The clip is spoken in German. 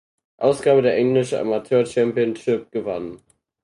Ausgabe der English Amateur Championship gewann.